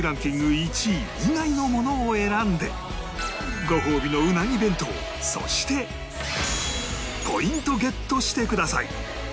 １位以外のものを選んでごほうびのうなぎ弁当そしてポイントゲットしてください